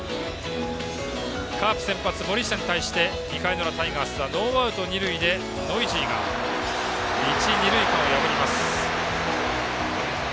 カープ先発、森下に対して２回の裏、タイガースはノーアウト、二塁でノイジーが一、二塁間を破ります。